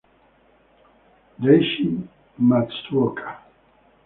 Daichi Matsuoka